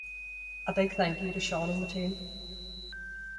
A big thank you to Sean and the team.